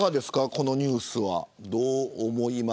このニュースは。